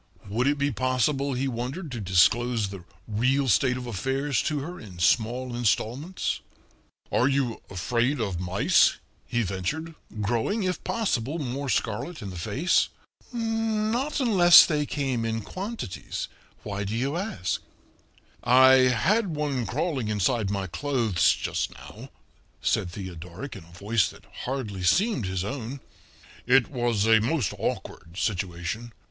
Would it be possible, he wondered to disclose the real state of affairs to her in small installments? "Are you afraid of mice?" he ventured, growing, if possible, more scarlet in the face. "Not unless they came in quantities. Why do you ask?" "I had one crawling inside my clothes just now," said Theodoric in a voice that hardly seemed his own. "It was a most awkward situation."